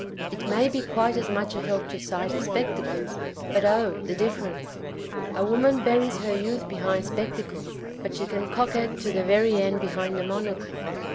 It may be quite as much a help to sight as spectacles, but, O, the difference ! A woman buries her youth behind spectacles, but she can coquet to the very end behind a monocle.